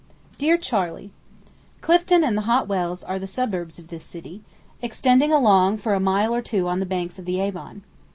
DEAR CHARLEY: Clifton and the Hot Wells are the suburbs of this city, extending along for a mile or two on the banks of the Avon.